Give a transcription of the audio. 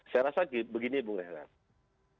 saya rasa begini bung rehat